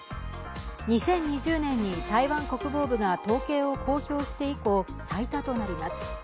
２０２０年に台湾国防部が統計を公表して以降最多となります。